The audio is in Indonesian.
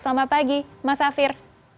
selamat pagi mas safir